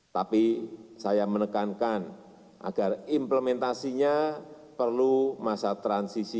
tapi saya menekankan agar implementasinya perlu masa transisi